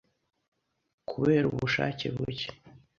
kubera ubushake buke